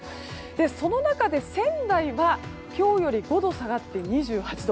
その中で、仙台は今日より５度下がって２８度。